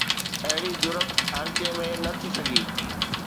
اهڙي جرئت هر ڪنهن ۾ نه ٿي سگهي.